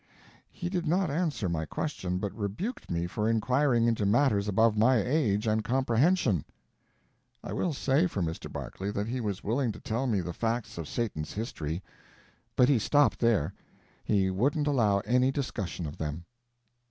He did not answer my question, but rebuked me for inquiring into matters above my age and comprehension. I will say for Mr. Barclay that he was willing to tell me the facts of Satan's history, but he stopped there: he wouldn't allow any discussion of them.